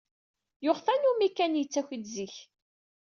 Yuɣ tanumi Ken yettaki-d zik.